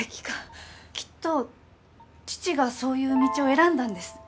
きっと父がそういう道を選んだんです。